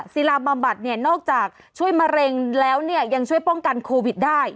ศิลาบำบัดเนี่ยนอกจากช่วยมะเร็งแล้วเนี่ยยังช่วยป้องกันโควิดได้